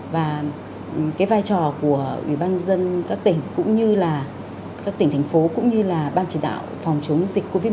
và cái vai trò của ủy ban dân các tỉnh cũng như là các tỉnh thành phố cũng như là ban chỉ đạo phòng chống dịch covid một mươi chín